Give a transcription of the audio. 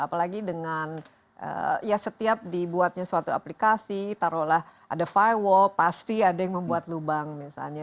apalagi dengan ya setiap dibuatnya suatu aplikasi taruhlah ada firewall pasti ada yang membuat lubang misalnya